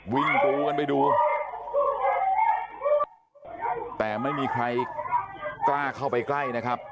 วิ่งปูกันไปดูแต่ไม่มีใครกล้าเข้าไปใกล้นะครับ